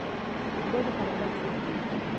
اوبه د حرارت ضد دي